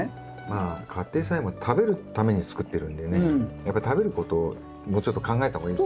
まあ家庭菜園も食べるために作ってるんでねやっぱり食べることをもうちょっと考えた方がいいですよね。